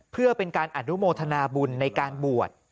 เพื่อเป็นการอนุโมทนาบุญในการบวช